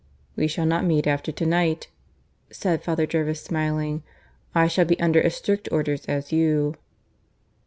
"We shall not meet after to night," said Father Jervis, smiling, "I shall be under as strict orders as you."